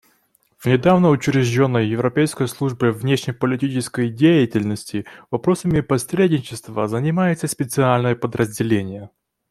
В недавно учрежденной Европейской службе внешнеполитической деятельности вопросами посредничества занимается специальное подразделение.